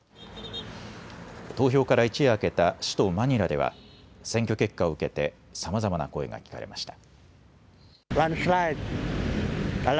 投票から一夜明けた首都マニラでは選挙結果を受けてさまざまな声が聞かれました。